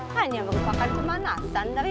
hanya merupakan pemanasan dari